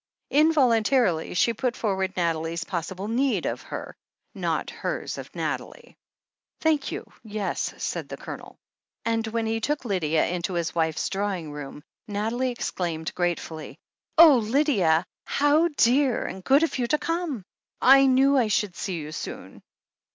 Involuntarily she put forward Nathalie's possible need of her — ^not hers of Nathalie. "Thank you, yes," said the Colonel. And when he took Lydia into his wife's drawing room, Nathalie exclaimed gratefully : "Oh, Lydia, how dear and good of you to come 1 I knew I should see you soon."